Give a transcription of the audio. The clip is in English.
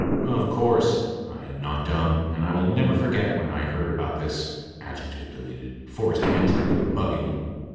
] Of course, I am not dumb and I will never forget when I heard about this [adjective deleted] forced entry and bugging.